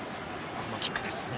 このキックです。